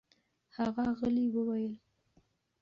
هغه غلې وویل: